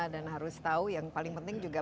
dan harus tahu yang paling penting juga